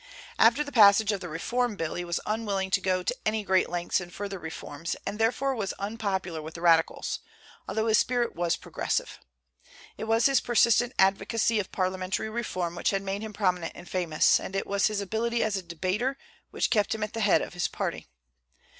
After the passage of the Reform Bill, he was unwilling to go to any great lengths in further reforms, and therefore was unpopular with the radicals, although his spirit was progressive. It was his persistent advocacy of parliamentary reform which had made him prominent and famous, and it was his ability as a debater which kept him at the head of his party.